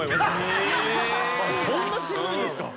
そんなしんどいんですか？